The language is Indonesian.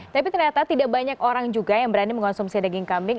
tapi ternyata tidak banyak orang juga yang berani mengonsumsi daging kambing